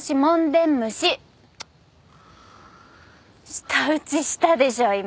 舌打ちしたでしょ今。